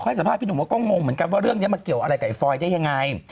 สัมภาษณ์พี่หนุ่มว่าก็งงเหมือนกันว่าเรื่องนี้มันเกี่ยวอะไรกับไอฟอยได้ยังไง